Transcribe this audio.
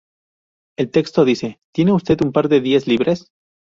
El texto dice: "¿Tiene usted un par de días libres?